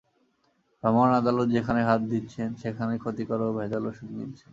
ভ্রাম্যমাণ আদালত যেখানেই হাত দিচ্ছেন, সেখানেই ক্ষতিকর ও ভেজাল ওষুধ মিলছে।